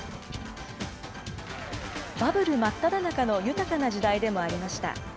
バブル真っただ中の豊かな時代でもありました。